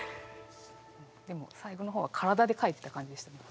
でも最後の方は体で書いてた感じでしたね。